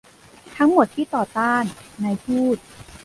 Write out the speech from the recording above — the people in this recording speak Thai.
ทั้งหมดที่ต่อต้าน นายพูด